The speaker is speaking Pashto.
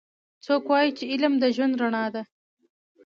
څوک وایي چې علم د ژوند رڼا ده